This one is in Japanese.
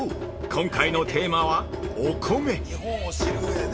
今回のテーマは、お米。